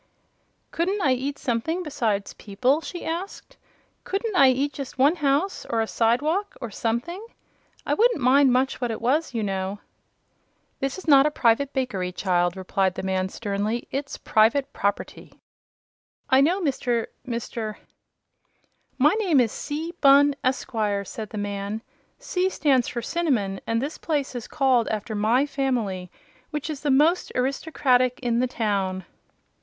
"Couldn't I eat something besides people?" she asked. "Couldn't I eat just one house, or a side walk or something? I wouldn't mind much what it was, you know." "This is not a public bakery, child," replied the man, sternly. "It's private property." "I know Mr. Mr. " "My name is C. Bunn, Esquire," said the man. "'C' stands for Cinnamon, and this place is called after my family, which is the most aristocratic in the town."